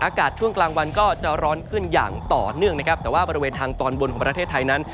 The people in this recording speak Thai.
ช่วงกลางวันก็จะร้อนขึ้นอย่างต่อเนื่องนะครับแต่ว่าบริเวณทางตอนบนของประเทศไทยนั้น